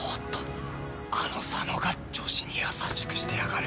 あの佐野が女子に優しくしてやがる。